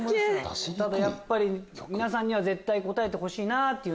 やっぱり皆さんには絶対答えてほしいなっていう。